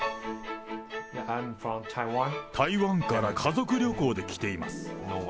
台湾から家族旅行で来ています。